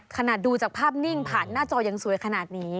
ขนาดดูจากภาพนิ่งผ่านหน้าจอยังสวยขนาดนี้